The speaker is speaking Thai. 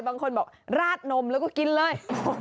บางคนบอกราดนมแล้วก็กินเลย